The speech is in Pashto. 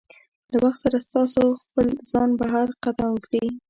له وخت سره ستاسو خپل ځان بهر قدم ږدي.